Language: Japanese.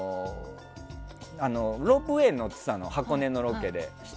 ロープウェーに乗ってたの箱根のロケで。